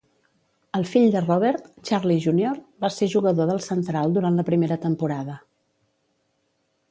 El fill de Robert, Charlie Junior, va ser jugador del Central durant la primera temporada.